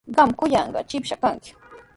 Qami kuyanqaa shipash kanki.